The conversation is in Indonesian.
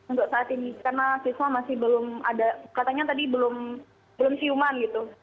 untuk saat ini karena siswa masih belum ada katanya tadi belum siuman gitu